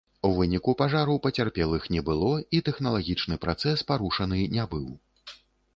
У выніку пажару пацярпелых не было і тэхналагічны працэс парушаны не быў.